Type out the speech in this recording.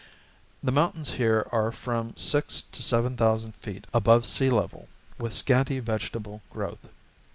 The mountains here are from six to seven thousand feet above sea level, with scanty vegetable growth.